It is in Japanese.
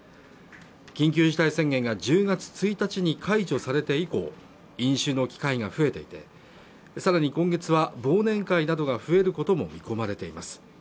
緊急事態宣言が１０月１日に解除されて以降飲酒の機会が増えていてさらに今月は忘年会などが増えることも見込まれています